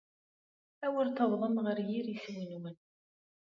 Awer tawḍem ɣer yir iswi-nwen.